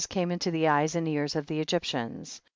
239 into the eyes and ears of the Egyp tians.